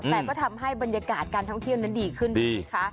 แต่ก็ทำให้บรรยากาศการท่องเที่ยวนั้นดีขึ้นดีคะ